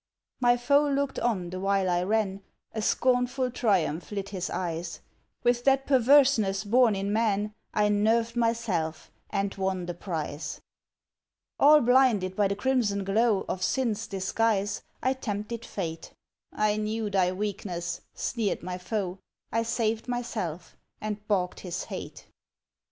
My foe looked on the while I ran; A scornful triumph lit his eyes. With that perverseness born in man, I nerved myself, and won the prize. All blinded by the crimson glow Of sin's disguise, I tempted Fate. "I knew thy weakness!" sneered my foe, I saved myself, and balked his hate.